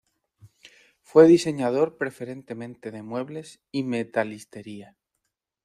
Fue diseñador preferentemente de muebles y metalistería.